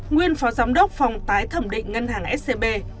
nguyên phó giám đốc phòng tái thẩm định ngân hàng scb